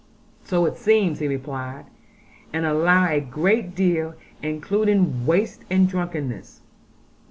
'So it seems,' he replied; 'and allow a great deal, including waste and drunkenness.